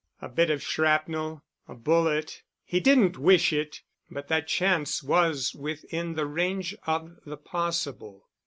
A bit of shrapnel—a bullet—he didn't wish it—but that chance was within the range of the possible.